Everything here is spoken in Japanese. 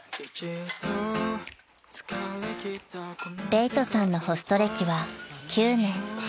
［礼人さんのホスト歴は９年］